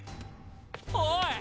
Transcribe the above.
おい！？